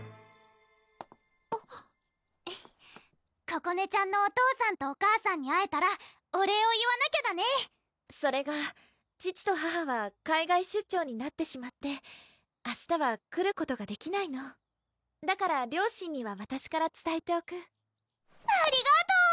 ここねちゃんのお父さんとお母さんに会えたらお礼を言わなきゃだねそれが父と母は海外出張になってしまって明日は来ることができないのだから両親にはわたしからつたえておくありがとう！